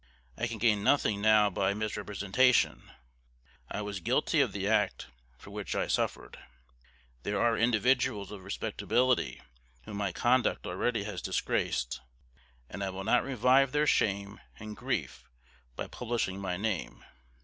I can gain nothing now by misrepresentation I was GUILTY of the act for which I suffered. There are individuals of respectability whom my conduct already has disgraced, and I will not revive their shame and grief by publishing my name.